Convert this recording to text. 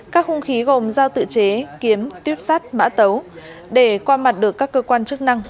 các hung khí gồm giao tự chế kiếm tuyếp sắt mã tấu để qua mặt được các cơ quan chức năng